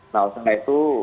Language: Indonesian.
nah untuk itu